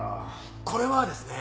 これはですね。